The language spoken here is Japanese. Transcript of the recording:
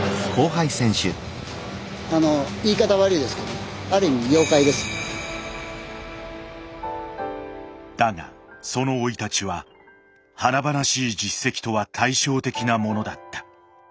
あの言い方悪いですけどだがその生い立ちは華々しい実績とは対照的なものだった。